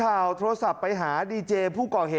ภายในตำรวจเอกกรีติพลองเพชรมูณี